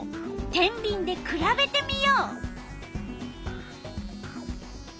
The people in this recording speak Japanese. てんびんでくらべてみよう！